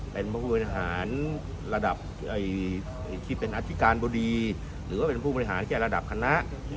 เป็นผู้บริหารระดับที่เป็นอธิการบดีหรือว่าเป็นผู้บริหารแค่ระดับคณะ